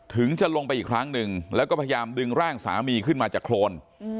จะลงไปอีกครั้งหนึ่งแล้วก็พยายามดึงร่างสามีขึ้นมาจากโครน